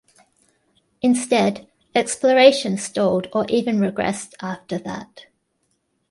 Instead, exploration stalled or even regressed after that.